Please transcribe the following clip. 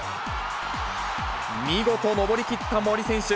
見事登り切った森選手。